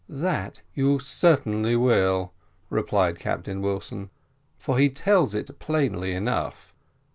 "That you certainly will," replied Captain Wilson, "for he tells it plainly enough."